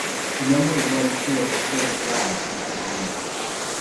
The number of runs scored are scored as wides, not byes.